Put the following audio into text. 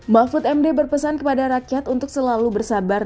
mahfud md berpesan kepada rakyat untuk selalu bersabar